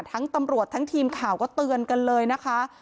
ตำรวจทั้งทีมข่าวก็เตือนกันเลยนะคะ